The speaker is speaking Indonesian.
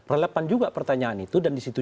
relevan juga pertanyaan itu